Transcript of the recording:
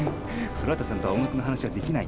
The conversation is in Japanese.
古畑さんとは音楽の話はできないな。